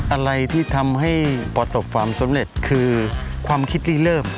อะไรที่ทำให้ประสบความสำเร็จคือความคิดรีเริ่ม